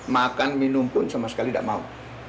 makan minum pun sama sekali tidak mau